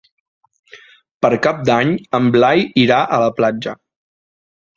Per Cap d'Any en Blai irà a la platja.